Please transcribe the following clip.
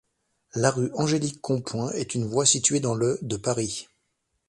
La rue Angélique-Compoint est une voie située dans le de Paris.